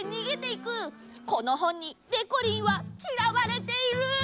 この本にでこりんはきらわれている！